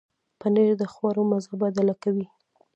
پنېر د خواړو مزه بدله کوي.